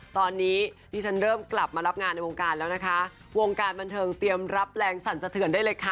ตอนนี้ที่ฉันเริ่มกลับมารับงานในวงการแล้วนะคะวงการบันเทิงเตรียมรับแรงสั่นสะเทือนได้เลยค่ะ